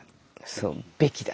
そう「べきだ」。